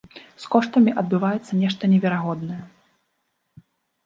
З коштамі адбываецца нешта неверагоднае.